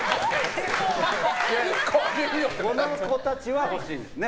この子たちは欲しいんだよね